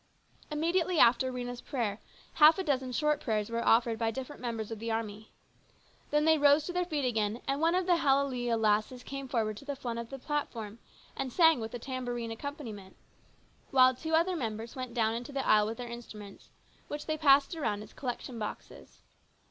Immediately after Rhena's prayer, half a dozen short prayers were offered by different members of the army. Then they rose to their feet again and one of the Hallelujah lasses came forward to the front of the platform and sang with a tambourine A MEMORABLE NIGHT. 148 accompaniment, while two other members went down into the aisle with their instruments, which they passed round as collection boxes.